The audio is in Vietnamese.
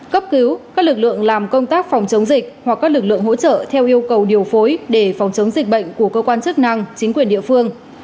cấp cứu các lực lượng làm công tác phòng chống dịch hoặc các lực lượng hỗ trợ theo yêu cầu điều phối để phòng chống dịch bệnh của cơ quan chức năng chính quyền địa phương